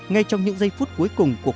ngay trong những giây phút cuối cùng